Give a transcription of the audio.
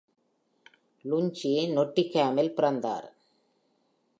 Lunghi Nottinghamல் பிறந்தார்.